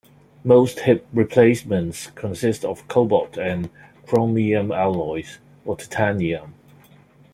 Most hip replacements consist of cobalt and chromium alloys, or titanium.